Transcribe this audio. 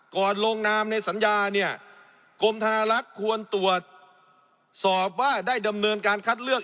ลงนามในสัญญาเนี่ยกรมธนาลักษณ์ควรตรวจสอบว่าได้ดำเนินการคัดเลือก